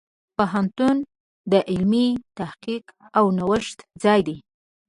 پوهنتون د علمي تحقیق او نوښت ځای دی.